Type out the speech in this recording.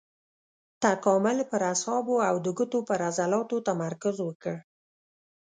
تکامل پر اعصابو او د ګوتو پر عضلاتو تمرکز وکړ.